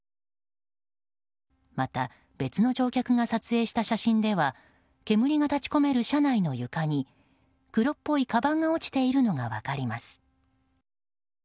また、別の乗客が撮影した写真では煙が立ち込める車内の床に黒っぽいかばんが落ちているのが分かります。